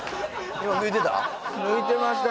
今抜いてた？